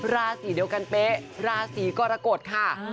ราศีเดียวกันเป๊ะราศีกรกฎค่ะ